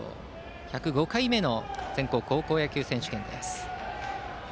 １０５回目の全国高校野球選手権。